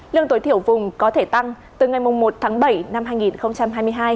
lương tối thiểu vùng có thể tăng từ ngày một tháng bảy năm hai nghìn hai mươi hai